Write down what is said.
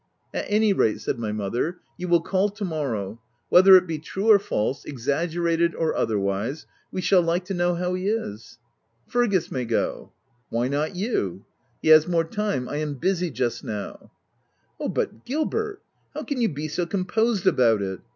"At any rate," said my mother, " you will call to morrow. Whether it be true or false, exaggerated or otherwise we shall like to know how he is." " Fergus may go." OF WILDFELL HALL. 249 " Why not you ?'* u He has more time : I am busy just now/' " Oh ! but Gilbert, how can you be so com posed about it